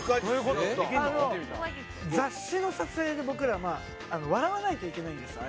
雑誌の撮影で僕ら笑わないといけないんです